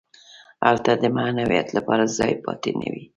هلته د معنویت لپاره ځای پاتې نه وي.